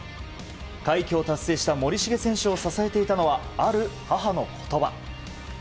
快挙を達成した森重選手を支えていたのはある母の言葉。